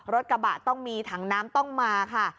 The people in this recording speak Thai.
รถกระบะต้องมีถังน้ำต้องมาค่ะ